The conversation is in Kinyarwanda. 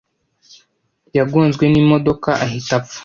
Yagonzwe n’imodoka ahita apfa.